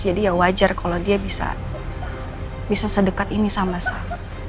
ya wajar kalau dia bisa sedekat ini sama saya